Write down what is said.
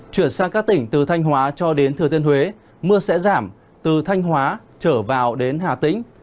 chuyển sang các tỉnh từ thanh hóa cho đến thừa thiên huế mưa sẽ giảm từ thanh hóa trở vào đến hà tĩnh